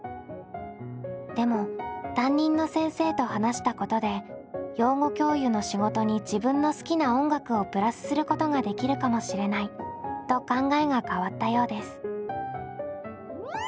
でも担任の先生と話したことで養護教諭の仕事に自分の好きな音楽をプラスすることができるかもしれないと考えが変わったようです。